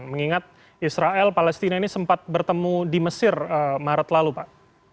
mengingat israel palestina ini sempat bertemu di mesir maret lalu pak